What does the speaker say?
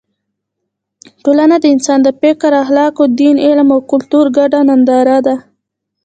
ټولنه د انسان د فکر، اخلاقو، دین، علم او کلتور ګډه ننداره ده.